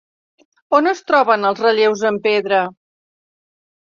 On es troben els relleus en pedra?